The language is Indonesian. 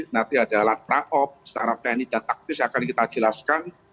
nanti ada alat perang op secara teknis dan taktis akan kita jelaskan